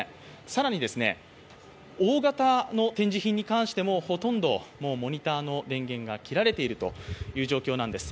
更に、大型の展示品に関してもほとんどモニターの電源が切られているという状況なんです。